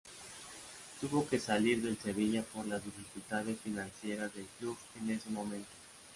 Tuvo que salir del Sevilla por las dificultades financieras del club en ese momento.